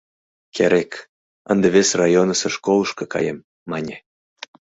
Керек... ынде вес районысо школышко каем, — мане.